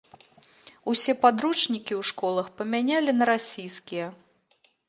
Усе падручнікі ў школах памянялі на расійскія.